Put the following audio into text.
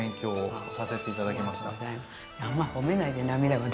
あんま褒めないで涙が出るから。